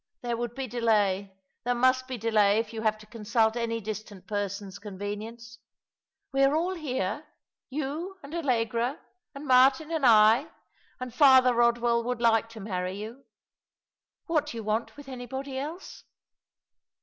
There would be delay. There must be delay if you have to consult any distant person's convenience. We are all here — you and Allegra, and Martin and I — and Father Rodwell would like to marry you. What do you want with anybody else